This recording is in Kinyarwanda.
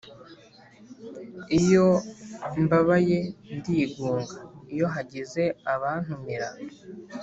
Iyo mbabaye ndigunga Iyo hagize abantumira